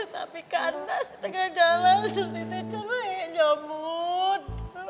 tapi kandas di tengah jalan surti teh celah ya nyamur